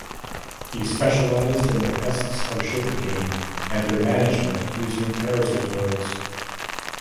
He specialized in the pests of sugarcane and their management using parasitoids.